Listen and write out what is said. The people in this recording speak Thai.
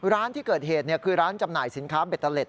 ร้านที่เกิดเหตุคือร้านจำหน่ายสินค้าเบตเตอร์เล็